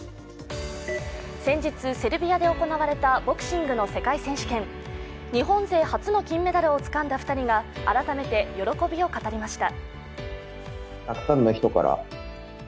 先日セルビアで行われたボクシングの世界選手権日本勢初の金メダルをつかんだ２人が改めて喜びを語りました。